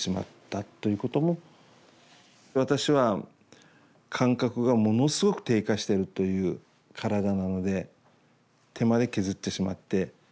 私は感覚がものすごく低下してるという体なので手まで削ってしまって。